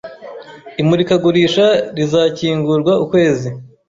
Imurikagurisha rizakingurwa ukwezi.